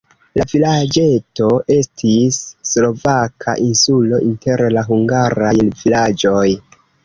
La vilaĝeto estis slovaka insulo inter la hungaraj vilaĝoj.